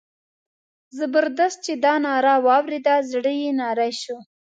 زبردست چې دا ناره واورېده زړه یې نری شو.